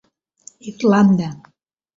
Irlanda.